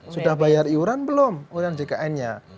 sudah bayar iuran belum iuran jkn nya